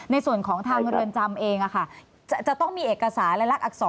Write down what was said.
ในส่วนของทางเรือนจำเองจะต้องมีเอกสารและลักษร